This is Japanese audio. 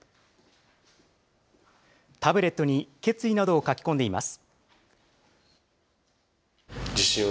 タブレットに決意などを書き込んでいます。